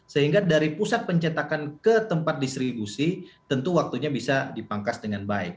sehingga dari pusat pencetakan ke tempat distribusi tentu waktunya bisa dipangkas dengan baik